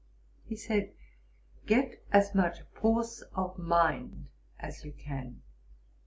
He said, 'Get as much force of mind as you can.